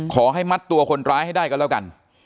ขอให้มัดตัวคนร้ายให้ได้กันแล้วกัน